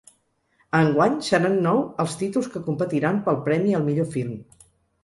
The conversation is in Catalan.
Enguany, seran nou els títols que competiran pel premi al millor film.